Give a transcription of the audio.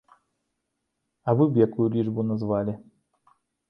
А вы б якую лічбу назвалі?